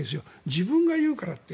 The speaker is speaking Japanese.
自分が言うからって。